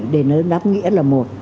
để nó đáp nghĩa là một